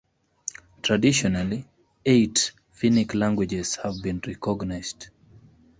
Traditionally eight Finnic languages have been recognized.